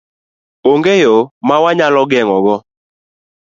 Onge yo ma wanyalo geng'e go?